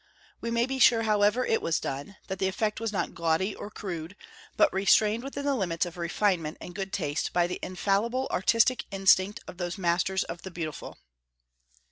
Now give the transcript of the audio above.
We may be sure, however it was done, that the effect was not gaudy or crude, but restrained within the limits of refinement and good taste by the infallible artistic instinct of those masters of the beautiful.